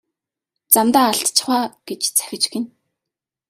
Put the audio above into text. Замдаа алдчихав аа гэж захиж гэнэ.